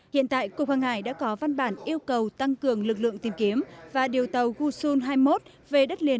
hiện tại cục hoàng hải đã có văn bản yêu cầu tăng cường lực lượng tìm kiếm và điều tàu uson hai mươi một về đất liền